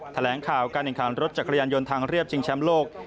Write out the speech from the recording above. แถลงข่าวการเองข่าวรถจากกระยันยนต์ทางเรียบจิงแชมป์โลก